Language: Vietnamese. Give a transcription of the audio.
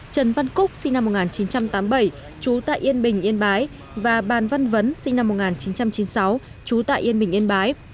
trần văn cúc sinh năm một nghìn chín trăm tám mươi bảy trú tại yên bình yên bái và bàn văn vấn sinh năm một nghìn chín trăm chín mươi sáu trú tại yên bình yên bái